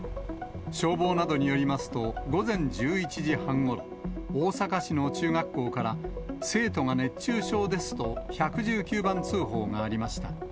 消防などによりますと、午前１１時半ごろ、大阪市の中学校から生徒が熱中症ですと、１１９番通報がありました。